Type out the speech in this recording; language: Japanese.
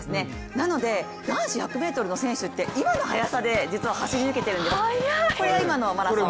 なので男子１００ｍの選手って今の速さで実は走り抜けているんですこれが今のマラソン。